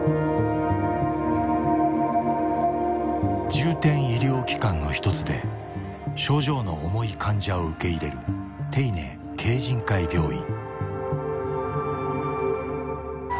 重点医療機関の一つで症状の重い患者を受け入れる手稲渓仁会病院。